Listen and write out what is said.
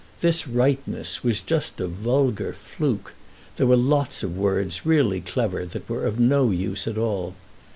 This rightness was just a vulgar "fluke"—there were lots of words really clever that were of no use at all.